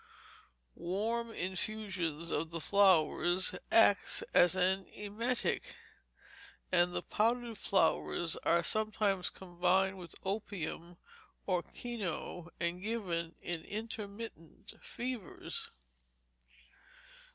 Warm infusion of the flowers acts as an emetic; and the powdered flowers are sometimes combined with opium or kino, and given in intermittent fevers.